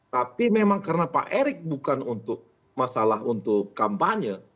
tapi memang karena pak erick bukan untuk masalah untuk kampanye